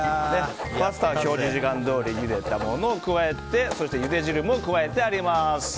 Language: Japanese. パスタは表示時間どおりゆでたものを加えてゆで汁も加えてあります。